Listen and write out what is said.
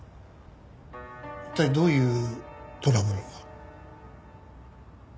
一体どういうトラブルが？